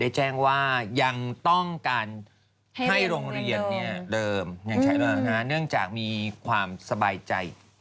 ได้แจ้งว่ายังต้องการให้โรงเรียนเนี้ยเริ่มยังใช้แล้วนะคะเนื่องจากมีความสบายใจ